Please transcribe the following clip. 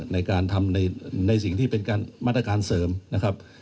ในการทำในสิ่งที่เป็นมาตรการเสริมนะครับ